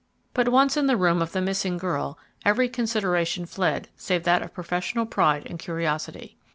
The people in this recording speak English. But once in the room of the missing girl, every consideration fled save that of professional pride and curiosity.